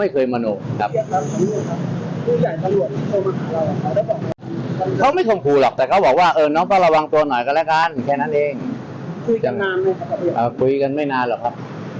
คุยกันไม่นานหรอกครับ